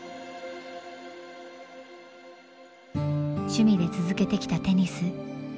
趣味で続けてきたテニス。